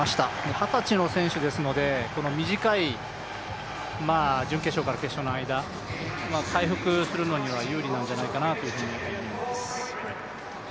二十歳の選手ですので、この短い準決勝から決勝の間回復するのには有利なんじゃないかなと思います。